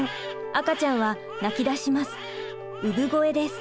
赤ちゃんは泣き出します。